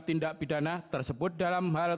tindak pidana tersebut dalam hal